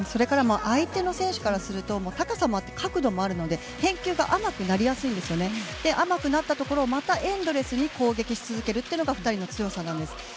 相手選手からすると高さもあって角度もあるので返球が甘くなりやすくて甘くなったところをまた、エンドレスに攻撃し続けるのが２人の強さです。